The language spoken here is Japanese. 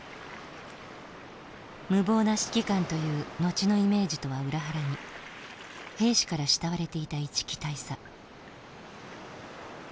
無謀な指揮官という後のイメージとは裏腹に兵士から慕われていた一木大佐。